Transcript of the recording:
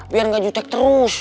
biar gak jutek terus